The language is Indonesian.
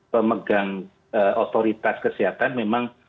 pemerintah sebagai pemegang otoritas kesehatan memang